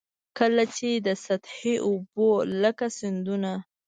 کله چي د سطحي اوبو لکه سیندونه.